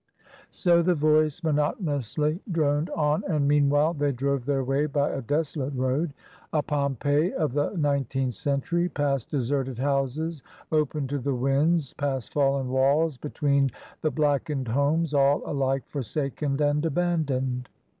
So the voice monotonously droned on, and meanwhile they drove their way by a desolate road, a Pompeii of the nineteenth century, past deserted houses, open to the winds, past fallen walls, between the blackened homes, all alike forsaken and aban doned.